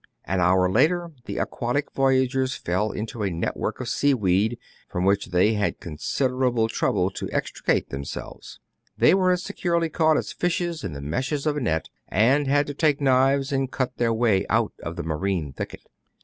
An hour later the aquatic voyagers fell into a network of sea weed, from which they had con siderable trouble to extricate themselves. They were as securely caught as fishes in the meshes of a net, and had to take knives, and cut their way out of the marine thicket.